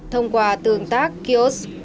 thông qua tương tác kiosk